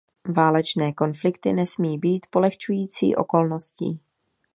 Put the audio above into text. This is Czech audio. Válečné konflikty nesmí být polehčující okolností.